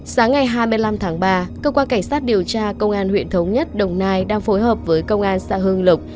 sáng ngày hai mươi năm tháng ba cơ quan cảnh sát điều tra công an huyện thống nhất đồng nai đang phối hợp với công an xã hương lộc